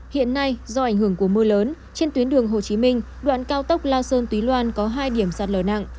hiện nay do ảnh hưởng của mưa lớn trên tuyến đường hồ chí minh đoạn cao tốc la sơn túy loan có hai điểm sạt lở nặng